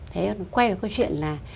thế quay về câu chuyện là